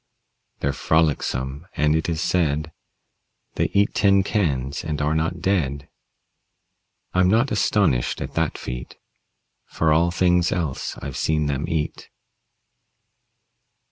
They're frolicsome, and it is said They eat tin cans and are not dead. I'm not astonished at that feat, For all things else I've seen them eat.